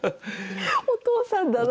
お父さんだなあ。